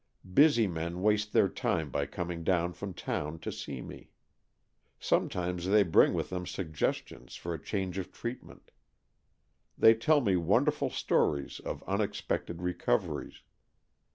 Busy men waste their time by coming down from town to see me. Sometimes they bring with them suggestions for a change of treatment. They tell me wonderful stories of unexpected recoveries.